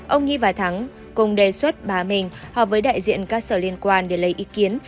ông nghi và thắng cùng đề xuất bà mình họp với đại diện các sở liên quan để lấy ý kiến